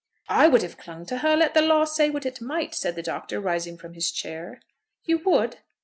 "I would have clung to her, let the law say what it might," said the Doctor, rising from his chair. "You would?"